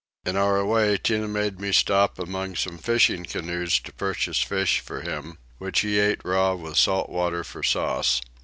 In our way Tinah made me stop among some fishing canoes to purchase fish for him, which he eat raw with salt water for sauce.